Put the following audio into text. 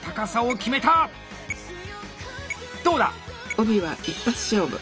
帯は一発勝負。